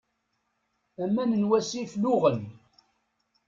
Aman n wasif luɣen.